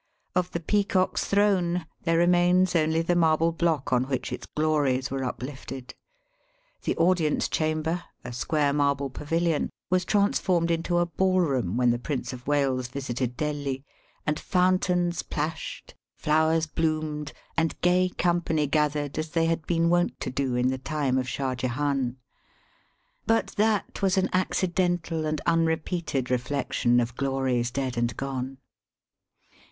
Of the Peacock's Throne there remains only the marble block on which its glories were upUfted. The audience chamber^ a square marble pavilion, was transformed inta a ball room when the Prince of Wales visited Delhi, and fountains plashed, flowers bloomed,, and gay company gathered as they had been wont to do in the time of Shah Jehan. But that was an accidental and xmrepeated reflec tion of glories dead and gone.